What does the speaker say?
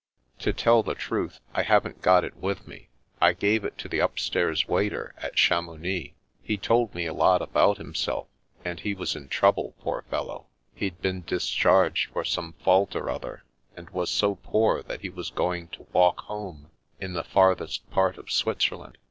" To tell the truth, I haven't got it with me. I gave it to the upstairs waiter at Chamounix. He told me a lot about himself, and he was in trouble, poor fellow ; he'd been discharged for some fault or other, and was so poor that he was going to walk home, in the farthest part of Switzerland.